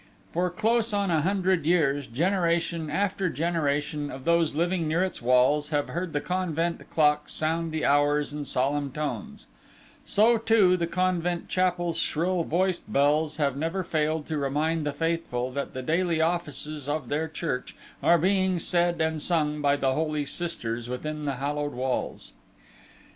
For close on a hundred years, generation after generation of those living near its walls have heard the convent clock sound the hours in solemn tones; so, too, the convent chapel's shrill voiced bells have never failed to remind the faithful that the daily offices of their church are being said and sung by the holy sisters within the hallowed walls.